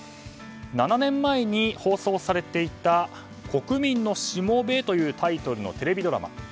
７年前に放送されていた「国民のしもべ」というタイトルのテレビドラマ。